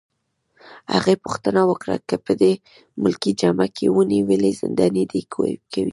هغې پوښتنه وکړه: که په دې ملکي جامه کي ونیولې، زنداني دي کوي؟